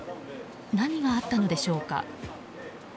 何があったのでしょうか。